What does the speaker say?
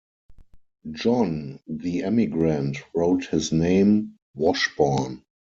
John the emigrant wrote his name "Washborn".